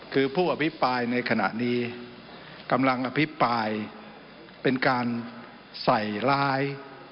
คือผู้อภิปรายในขณะนี้กำลังอภิปรายเป็นการใส่ร้าย